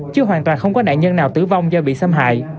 chứ hoàn toàn không có nạn nhân nào tử vong do bị xâm hại